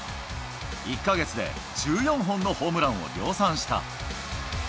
１か月で１４本のホームランを量産した。